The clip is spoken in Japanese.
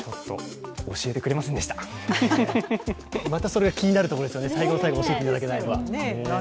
それが気になるところですよね、最後の最後、教えていただけないのが。